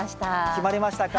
決まりましたか？